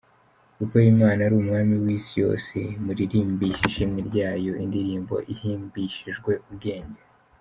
Kuko Imana ari Umwami w’isi yose, Muririmbishe ishimwe ryayo, Indirimbo ihimbishijwe ubwenge.